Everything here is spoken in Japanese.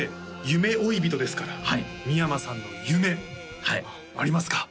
「夢追い人」ですから三山さんの夢ありますか？